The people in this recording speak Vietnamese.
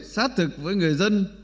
xác thực với người dân